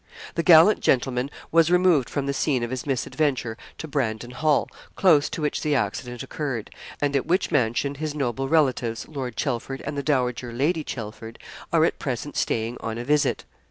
The gallant gentleman was removed from the scene of his misadventure to Brandon Hall, close to which the accident occurred, and at which mansion his noble relatives, Lord Chelford and the Dowager Lady Chelford, are at present staying on a visit.